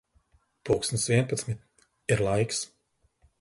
Pulkstens vienpadsmit. Ir laiks.